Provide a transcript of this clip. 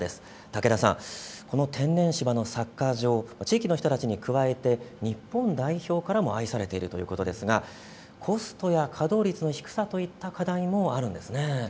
武田さん、この天然芝のサッカー場、地域の人たちに加えて日本代表からも愛されているということですがコストや稼働率の低さといった課題もあるんですね。